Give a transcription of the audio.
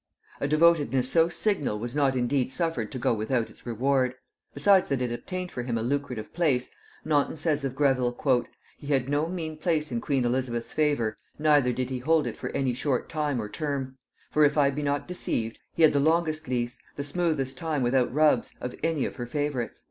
A devotedness so signal was not indeed suffered to go without its reward. Besides that it obtained for him a lucrative place, Naunton says of Greville, "He had no mean place in queen Elizabeth's favor, neither did he hold it for any short time or term; for, if I be not deceived, he had the longest lease, the smoothest time without rubs, of any of her favorites."